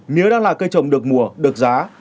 mía đang là cây trồng được mùa được giá